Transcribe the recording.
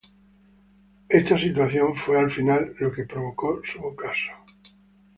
Esta situación fue, al final, la que provocó su ocaso.